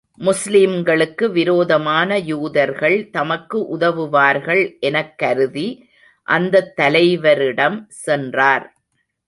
முஸ்லிம்களுக்கு விரோதமான யூதர்கள் தமக்கு உதவுவார்கள் எனக் கருதி, அந்தத் தலைவரிடம் சென்றார்.